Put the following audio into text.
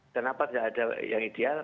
kenapa tidak ada yang ideal